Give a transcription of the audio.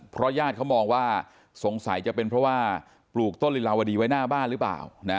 เพราะญาติเขามองว่าสงสัยจะเป็นเพราะว่าปลูกต้นลิลาวดีไว้หน้าบ้านหรือเปล่า